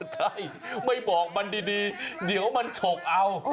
ใช่ไม่บอกมันดีเดี๋ยวมันฉกเอา